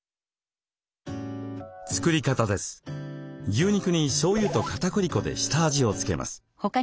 牛肉にしょうゆとかたくり粉で下味を付けます。